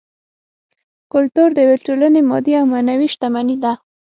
کولتور د یوې ټولنې مادي او معنوي شتمني ده